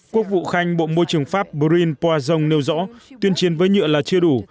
quốc vụ khanh bộ môi trường pháp brune poisson nêu rõ tuyên chiến với nhựa là chưa đủ